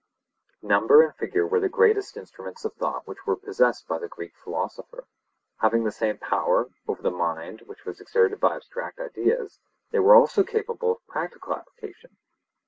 Number and figure were the greatest instruments of thought which were possessed by the Greek philosopher; having the same power over the mind which was exerted by abstract ideas, they were also capable of practical application.